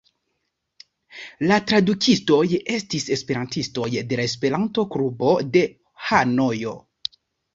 La tradukistoj estis esperantistoj de la Esperanto-klubo de Hanojo.